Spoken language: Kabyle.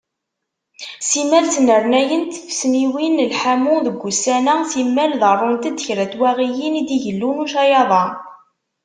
Simal ttnernayent tfesniwin n lḥamu deg wussan-a, simal ḍerrunt-d kra n twaɣiyin i d-igellu ucayaḍ-a.